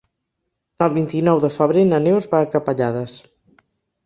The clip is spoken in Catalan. El vint-i-nou de febrer na Neus va a Capellades.